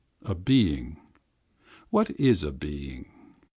A being? What is a being?